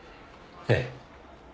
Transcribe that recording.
ええ。